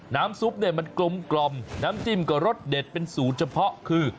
น้ำซุปเนี่ยมันกลมน้ำจิ้มก็รสเด็ดเป็นสูตรเฉพาะคือ